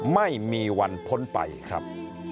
ไม่มีวันพ้นไปครับ